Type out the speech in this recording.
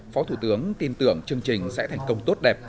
phó thủ tướng tin tưởng chương trình sẽ thành công tốt đẹp